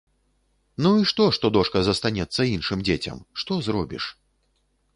Ну і што, што дошка застанецца іншым дзецям, што зробіш?